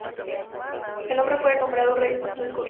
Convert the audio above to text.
El hombre fue nombrado rey por su descubrimiento.